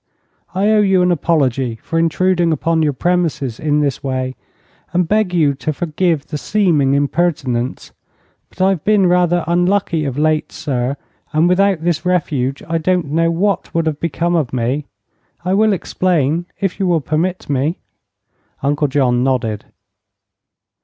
"I owe you an apology for intruding upon your premises in this way, and beg you to forgive the seeming impertinence. But I've been rather unlucky of late, sir, and without this refuge I don't know what would have become of me. I will explain, if you will permit me." Uncle John nodded.